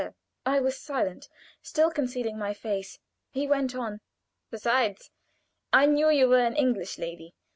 _" I was silent, still concealing my face. He went on: "Besides, I knew that you were an English lady.